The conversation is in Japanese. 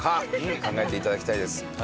考えていただきたいです。